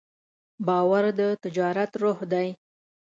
باور د تجارت روح دی.